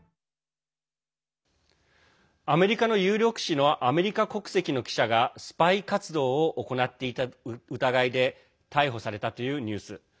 アメリカの有力紙のアメリカ国籍の記者がスパイ活動を行っていた疑いで逮捕されたというニュース。